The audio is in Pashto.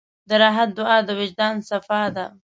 د رحمت دعا د وجدان صفا ده.